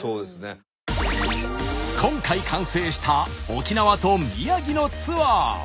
今回完成した沖縄と宮城のツアー。